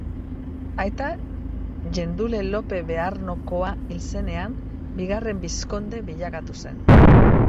Aita Gendule Lope Bearnokoa hil zenean, bigarren bizkonde bilakatu zen.